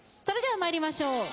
それでは参りましょう。